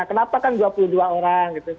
kenapa kan dua puluh dua orang